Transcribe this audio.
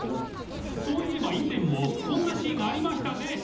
［そういえば以前もこんなシーンありましたね］